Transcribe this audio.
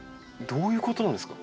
どういうことなんですか？